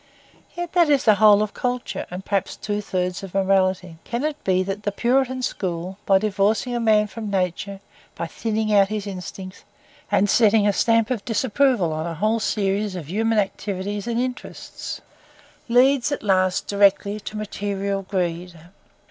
Yet that is the whole of culture, and perhaps two thirds of morality. Can it be that the Puritan school, by divorcing a man from nature, by thinning out his instincts, and setting a stamp of its disapproval on whole fields of human activity and interest, leads at last directly to material greed?